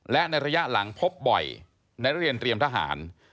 และในระยะหลังพบบ่อยในนักเรียนเตรียมทหาร